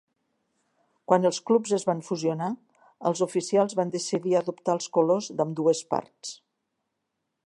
Quan els clubs es van fusionar, els oficials van decidir adoptar els colors d'ambdues parts.